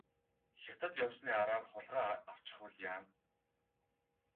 Хятад явсны араар хулгай авчихвал яана.